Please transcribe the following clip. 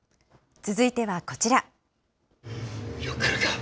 続いてはこちら。